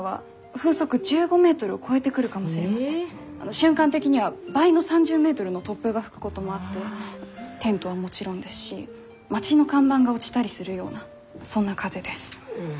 瞬間的には倍の３０メートルの突風が吹くこともあってテントはもちろんですし町の看板が落ちたりするようなそんな風です。